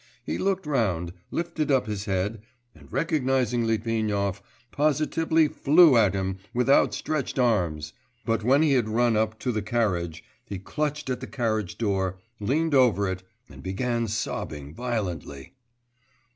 He looked round, lifted up his head, and recognising Litvinov, positively flew at him with outstretched arms; but when he had run up to the carriage, he clutched at the carriage door, leaned over it, and began sobbing violently.